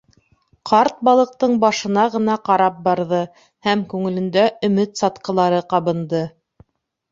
Ҡарт балыҡтың башына ғына ҡарап барҙы, һәм күңелендә өмөт сатҡылары ҡабынды.